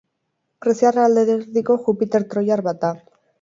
Greziar alderdiko Jupiter troiar bat da.